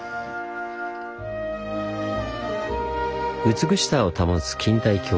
美しさを保つ錦帯橋。